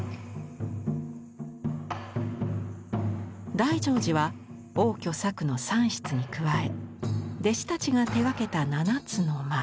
大乗寺は応挙作の３室に加え弟子たちが手がけた７つの間。